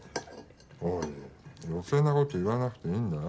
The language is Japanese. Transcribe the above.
おい余計な事言わなくていいんだよ。